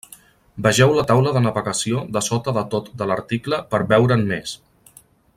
Vegeu la taula de navegació de sota de tot de l'article per veure'n més.